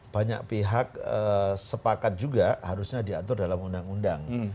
banyak pihak sepakat juga harusnya diatur dalam undang undang